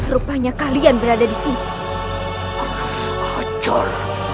rupanya kalian berada di sini hai acor